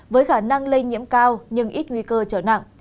với khả năng lây nhiễm cao nhưng ít nguy cơ trở nặng